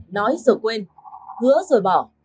nói rồi quên hứa rồi bỏ